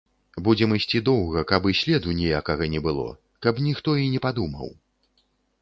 Будзем ісці доўга, каб і следу ніякага не было, каб ніхто і не падумаў.